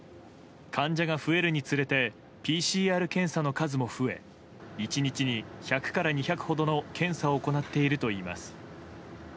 患者が増えるにつれてＰＣＲ検査の数も増え１日に１００から２００ほどの検査を行っているといいます。